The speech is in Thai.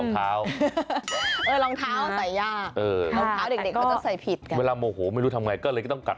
ใส่ไม่ได้แล้วทำอย่างไร